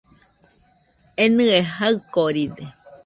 Enɨe jaɨkoride